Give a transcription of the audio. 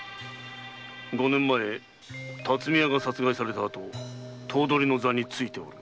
五年前巽屋が殺害されたあと頭取の座に就いている。